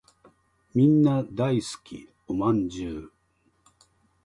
みんな大好きお饅頭